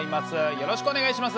よろしくお願いします。